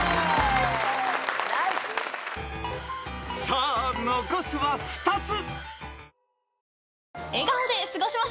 ［さあ残すは２つ］